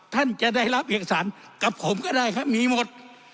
ท่านจะได้รับเอกสารกับผมก็ได้ครับมีหมด